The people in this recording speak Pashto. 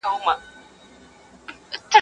تر نکل ئې و پوهېدې ډېر دئ.